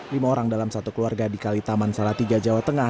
lima orang dalam satu keluarga di kalitaman salatiga jawa tengah